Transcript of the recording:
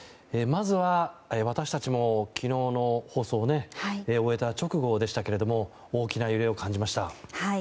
まずは私たちも昨日の放送を終えた直後でしたけれども大きな揺れを感じました。